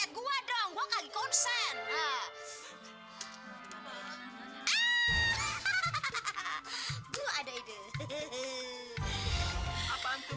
enggak tahu kalau gua mana